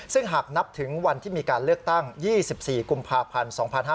ซึ่งหากนับถึงวันที่มีการเลือกตั้ง๒๔กุมภาพันธ์๒๕๕๙